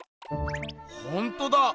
ほんとだ！